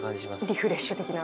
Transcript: リフレッシュ的な。